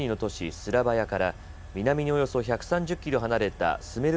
スラバヤから南におよそ１３０キロ離れたスメル